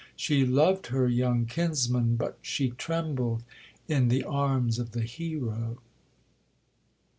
She loved her young kinsman, but she trembled in the arms of the hero.